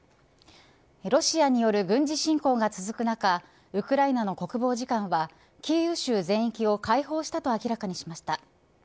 ロシアによる軍事侵攻が続く中ウクライナの国防次官はキーウ州全域を解放したと明らかにしました。